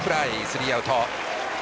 スリーアウト。